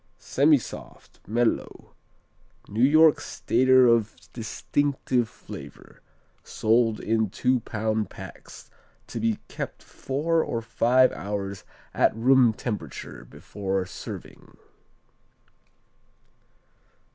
_ Semisoft; mellow; New York Stater of distinctive flavor. Sold in two pound packs, to be kept four or five hours at room temperature before serving.